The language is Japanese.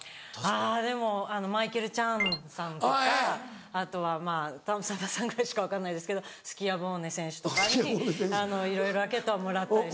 あぁでもマイケル・チャンさんとかあとはたぶんさんまさんしか分かんないですけどスキアボーネ選手とかにいろいろラケットはもらったりして。